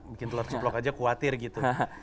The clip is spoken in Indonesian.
bikin telur cuplok aja kuatir gitu